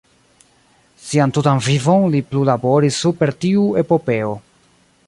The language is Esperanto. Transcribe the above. Sian tutan vivon li plu laboris super tiu epopeo.